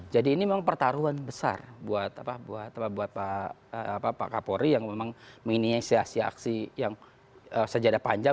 jadi ini memang pertaruhan besar buat pak kapolri yang memang menginisiasi aksi yang sejadah panjang